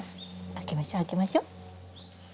開けましょ開けましょ。